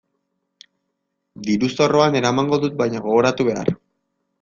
Diru-zorroan eramango dut baina gogoratu behar.